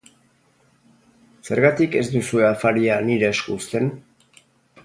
Zergatik ez duzue afaria nire esku uzten?